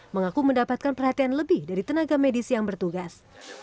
mengaku mendapatkan perhatian lebih dari tenaga medis yang bertugas